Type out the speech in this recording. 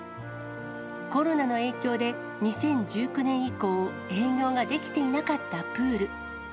コロナの影響で、２０１９年以降、営業ができていなかったプール。